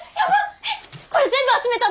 これ全部集めたの！？